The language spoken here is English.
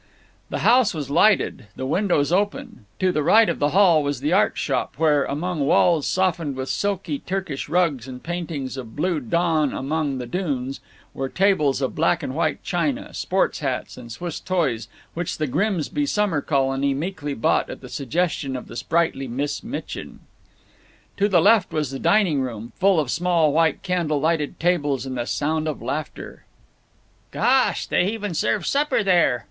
The house was lighted, the windows open. To the right of the hall was the arts shop where, among walls softened with silky Turkish rugs and paintings of blue dawn amid the dunes, were tables of black and white china, sports hats, and Swiss toys, which the Grimsby summer colony meekly bought at the suggestion of the sprightly Miss Mitchin. To the left was the dining room, full of small white candle lighted tables and the sound of laughter. "Gosh! they even serve supper there!"